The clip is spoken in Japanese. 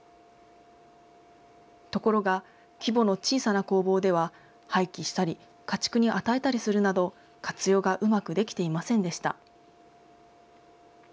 ところが規模の小さな工房では、廃棄したり、家畜に与えたりするなど活用がうまくできていませんでした。